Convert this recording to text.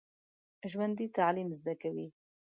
ژوندي تعلیم زده کوي